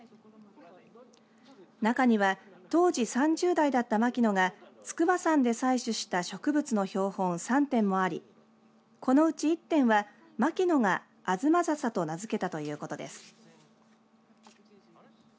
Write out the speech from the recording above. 中には当時３０代だった牧野が筑波山で採取した植物の標本３点もありこのうち１点は牧野がアズマザサと名付けたということです。